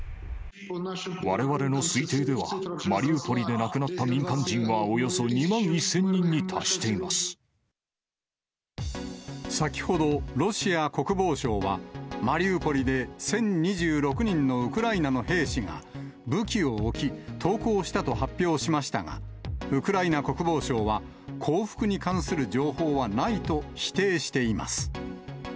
われわれの推定では、マリウポリで亡くなった民間人はおよそ２万１０００人に達してい先ほど、ロシア国防省は、マリウポリで１０２６人のウクライナの兵士が武器を置き、投降したと発表しましたが、ウクライナ国防省は、降伏に関する情報はないと否定しています。